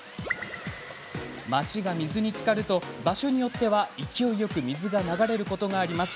街が水につかると場所によっては、勢いよく水が流れることがあります。